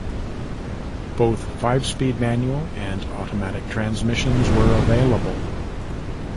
Both five-speed manual and automatic transmissions were available.